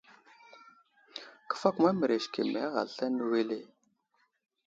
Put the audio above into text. Kəfakuma mərez keme a ghay aslane wele.